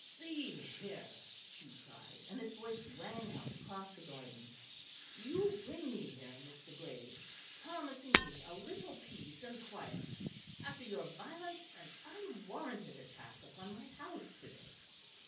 "See here!" he cried, and his voice rang out across the garden. "You bring me here, Mr. Graves, promising me a little peace and quietness, after your violent and unwarranted attack upon my house to day.